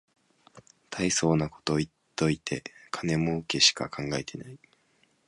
たいそうなこと言っといて金もうけしか考えてない